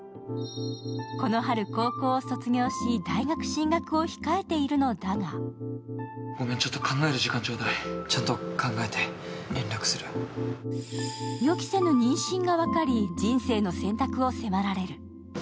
この春、高校を卒業し、大学進学を控えているのだが予期せぬ妊娠が分かり、人生の選択を迫られる。